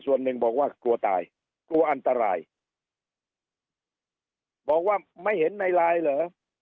ส่วนหนึ่งบอกว่ากลัวตายกลัวอันตรายบอกว่าไม่เห็นในไลน์เหรอ